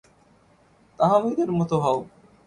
তাহমিদের মতো হও।